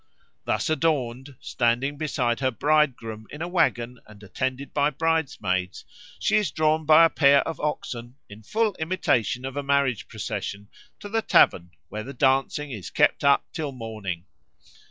Thus adorned, standing beside her Bridegroom in a waggon and attended by bridesmaids, she is drawn by a pair of oxen, in full imitation of a marriage procession, to the tavern, where the dancing is kept up till morning.